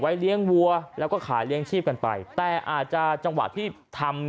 เลี้ยงวัวแล้วก็ขายเลี้ยงชีพกันไปแต่อาจจะจังหวะที่ทำ